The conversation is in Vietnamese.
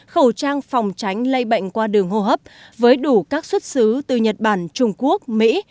khẩu trang phòng tránh lây bệnh qua đường hô hấp với đủ các xuất xứ từ nhật bản trung quốc mỹ